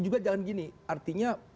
juga jangan gini artinya